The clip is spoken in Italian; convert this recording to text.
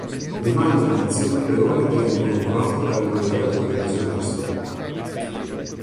Le mandrie di zio Paperone vengono rubate da un allevatore disonesto.